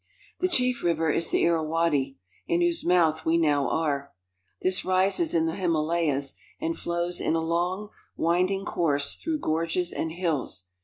The chief river is the Irawadi, in whose mouth we now are. This rises in the Himalayas and flows in a long, wind ing course through gorges and hills.